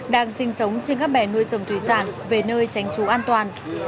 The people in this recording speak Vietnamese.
đang sinh sống trên các bè nuôi trồng thủy sản về nơi tránh trú an toàn